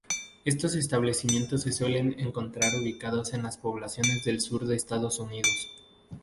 Estos establecimientos se suelen encontrar ubicados en las poblaciones del sur de Estados Unidos.